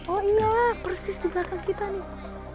oh inilah persis di belakang kita nih